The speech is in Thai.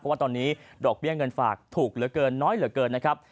ว่าตอนนี้ดอกเบี้ยเงินฝากถูกเหลือเกินน้อยเหลือเกินนะครับ